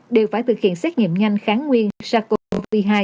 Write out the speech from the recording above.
đều phải thực hiện xét nghiệm nhanh kháng nguyên sars cov hai